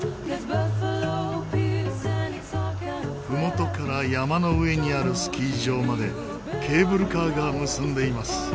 ふもとから山の上にあるスキー場までケーブルカーが結んでいます。